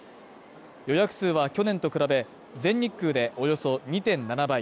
予約数は去年と比べ、全日空でおよそ２．７倍。